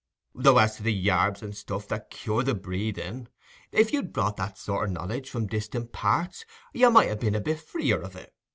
Though as to the yarbs and stuff to cure the breathing, if you brought that sort o' knowledge from distant parts, you might ha' been a bit freer of it.